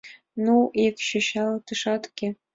Ну... ик чӱчалтышат уке.